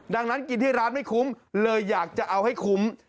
ดังนั้นกินที่ร้านไม่คุ้มเลยอยากจะเอาให้คุ้ม